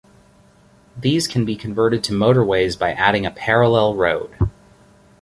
These can be converted to motorways by adding a parallel road.